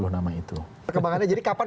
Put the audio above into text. sepuluh nama itu perkembangannya jadi kapan